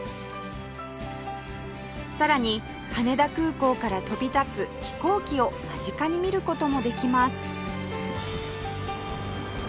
さらに羽田空港から飛び立つ飛行機を間近に見る事もできます